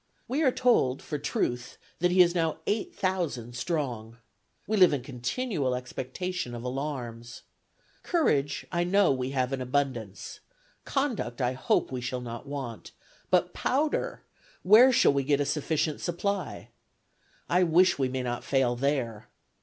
We are told for truth that he is now eight thousand strong. We live in continual expectations of alarms. Courage I know we have in abundance; conduct I hope we shall not want; but powder, where shall we get a sufficient supply? I wish we may not fail there.